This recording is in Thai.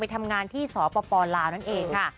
ทำงานที่สปลาวนั่นเองค่ะ